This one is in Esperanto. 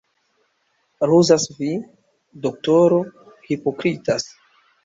Ruzas vi, doktoro, hipokritas.